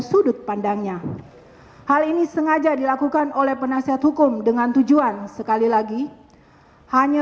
sudut pandangnya hal ini sengaja dilakukan oleh penasihat hukum dengan tujuan sekali lagi hanya